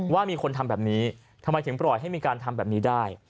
ว่ามีคนทำแบบนี้ทำไมถึงปล่อยให้มีการทำแบบนี้ได้